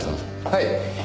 はい。